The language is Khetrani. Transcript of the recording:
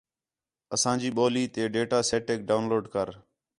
اَساں جی ٻولی تے ڈیٹا سیٹسیک ڈاؤن لوڈ کر